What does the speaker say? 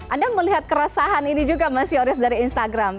anda melihat keresahan ini juga mas yoris dari instagram